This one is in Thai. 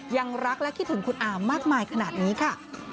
ยังรักและคิดถึงคุณอามากมายขนาดนี้ค่ะ